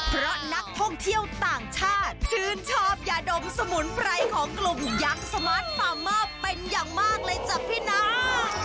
เพราะนักท่องเที่ยวต่างชาติชื่นชอบยาดมสมุนไพรของกลุ่มยักษ์สมาร์ทฟาร์เมอร์เป็นอย่างมากเลยจ้ะพี่น้อง